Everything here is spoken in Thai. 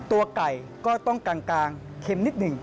ตัวไก่ก็ต้องกลางเข็มนิดหนึ่ง